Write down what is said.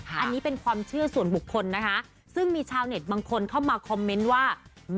อันนี้เป็นความเชื่อส่วนบุคคลนะคะซึ่งมีชาวเน็ตบางคนเข้ามาคอมเมนต์ว่า